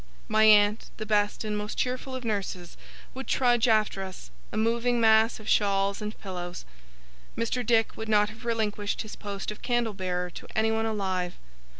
My aunt, the best and most cheerful of nurses, would trudge after us, a moving mass of shawls and pillows. Mr. Dick would not have relinquished his post of candle bearer to anyone alive.